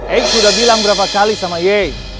eik sudah bilang berapa kali sama yei